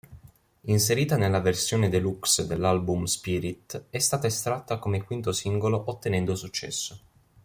Inserita nella versione deluxe dell'album "Spirit", è stata estratta come quinto singolo ottenendo successo.